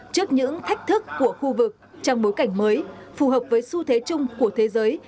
cách thức của khu vực trong bối cảnh mới phù hợp với xu thế chung của thế giới